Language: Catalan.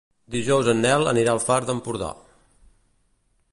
Dijous en Nel anirà al Far d'Empordà.